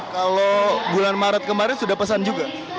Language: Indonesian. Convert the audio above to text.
kalau bulan maret kemarin sudah pesan juga